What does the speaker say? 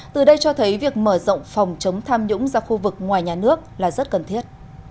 từ đây cho thấy việc mở rộng phòng chống tham nhũng ra khu vực ngoài nhà nước là rất cần thiết